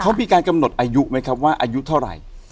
เขามีการกำหนดอายุไหมครับว่าอายุเท่าไหร่